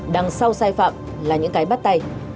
đằng sau sai phạm là những cái bắt tay